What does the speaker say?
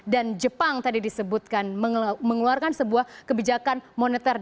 dan jepang tadi disebutkan mengeluarkan sebuah kebijakan moneter